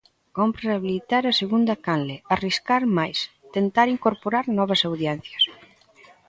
Cómpre rehabilitar a segunda canle, arriscar máis, tentar incorporar novas audiencias.